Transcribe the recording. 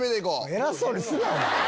偉そうにすなお前。